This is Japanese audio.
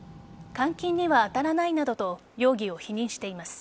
監禁には当たらないなどと容疑を否認しています。